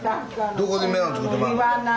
どこでメロン作ってもらうの？